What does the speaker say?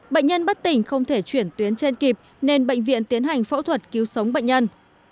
bệnh nhân bất tỉnh không thể chuyển tuyến trên kịp nên bệnh viện tiến hành phẫu thuật cứu sống bệnh nhân